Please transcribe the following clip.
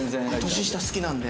年下好きなんで。